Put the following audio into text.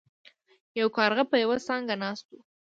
یو کارغه په یوه څانګه ناست و.